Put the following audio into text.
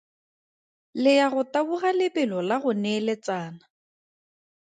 Le ya go taboga lebelo la go neeletsana.